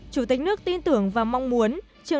chủ tịch nước tin tưởng và mong muốn